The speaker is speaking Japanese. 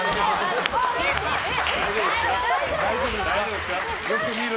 大丈夫ですか？